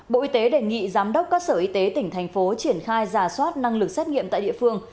bộ y tế đề nghị giám đốc các sở y tế tỉnh thành phố triển khai giả soát năng lực xét nghiệm tại địa phương